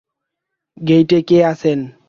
গেইটে কে আছে?